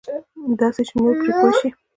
داسې چې نور پرې پوه شي.